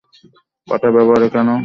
কথায় ব্যবহারে কেন এত অমার্জিত রুক্ষতা?